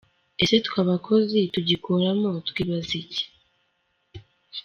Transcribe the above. Ese twe abakozi tugikoramo twibaza iki?